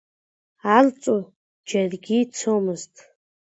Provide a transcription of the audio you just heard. Арҵу џьаргьы ицомзт.